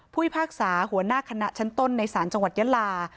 พิพากษาหัวหน้าคณะชั้นต้นในศาลจังหวัดยะลา